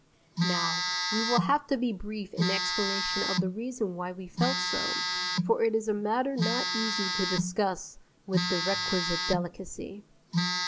Now, we will have to be brief in explanation of the reason why we felt so, for it is a matter not easy to discuss with the requisite delicacy.